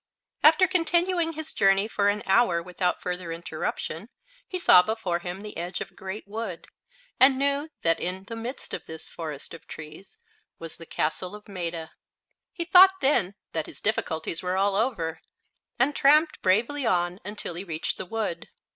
After continuing his journey for an hour without further interruption he saw before him the edge of a great wood, and knew that in the midst of this forest of trees was the castle of Maetta. He thought then that his difficulties were all over, and tramped bravely on until he reached the wood.